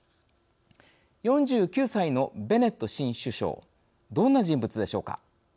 ４９歳のベネット新首相どんな人物でしょうか。